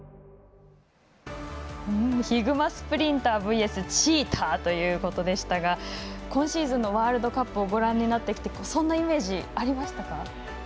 ヒグマスプリンターＶＳチーターということでしたが今シーズンのワールドカップをご覧になってきてそんなイメージ、ありましたか？